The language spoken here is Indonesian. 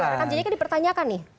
rekam jejak kan dipertanyakan nih